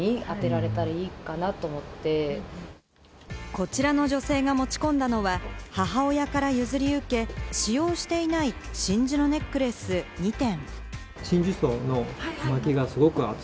こちらの女性が持ち込んだのは母親から譲り受け、使用していない真珠のネックレス２点。